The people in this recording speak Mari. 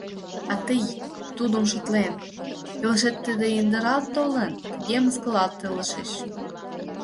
А тый, Тудым шотлен, илышет тыге индыралт толын, тыге мыскылалт илышыч...